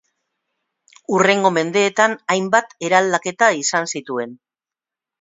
Hurrengo mendeetan hainbat eraldaketa izan zituen.